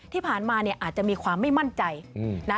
ที่ผ่านมาเนี่ยอาจจะมีความไม่มั่นใจนะ